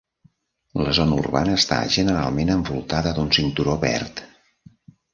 La zona urbana està generalment envoltada d'un cinturó verd.